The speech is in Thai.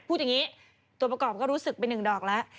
พูดอย่างนี้ตัวประกอบก็รู้สึกไปหนึ่งดอกแล้ว